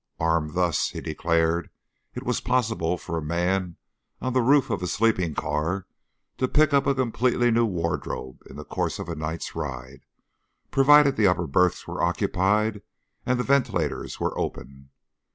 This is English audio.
Armed thus, he declared, it was possible for a man on the roof of a sleeping car to pick up a completely new wardrobe in the course of a night's ride, provided the upper berths were occupied and the ventilators were open.